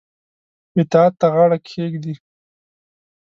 اطاعت ته غاړه کښيږدي.